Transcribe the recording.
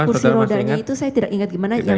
nah itu kursi rodanya itu saya tidak ingat gimana